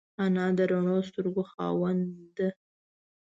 انا د روڼو سترګو خاوند ده